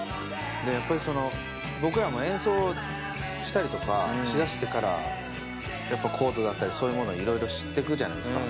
やっぱり僕らも演奏したりとかしだしてからコードだったりそういうものを色々知ってくじゃないですか。